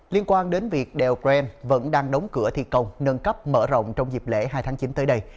liên quan đến việc đèo bren vẫn đang đóng cửa thi công nâng cấp mở rộng trong dịp lễ hai tháng chín tới đây